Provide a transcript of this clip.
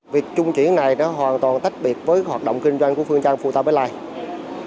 việc trung chuyển này hoàn toàn tách biệt với hoạt động kinh doanh của phương trang futabus line